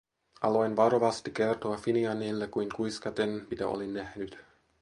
Aloin varovasti kertoa Finianille kuin kuiskaten, mitä olin nähnyt.